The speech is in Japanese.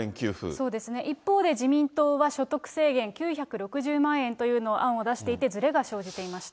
そうですね、一方で自民党は所得制限９６０万円という案を出していて、ずれが生じていました。